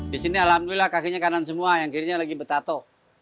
di sini alhamdulillah kakinya kanan semua yang kirinya lagi betato